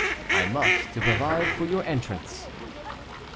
"I must, to provide for your entrance."